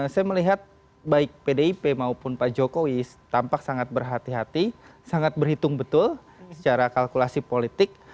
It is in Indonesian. saya melihat baik pdip maupun pak jokowi tampak sangat berhati hati sangat berhitung betul secara kalkulasi politik